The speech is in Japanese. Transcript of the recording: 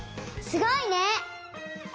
すごいね！